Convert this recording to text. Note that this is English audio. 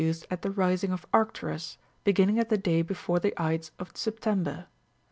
15 duced at the rising of Arcturus, beginning at the day43 before the ides of September.